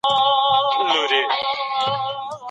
د پښتو ژبې کلتور زموږ د هویت نښه ده.